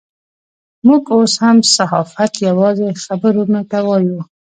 موږ اوس هم صحافت یوازې خبرونو ته وایو.